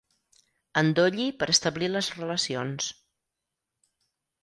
Endolli per establir les relacions.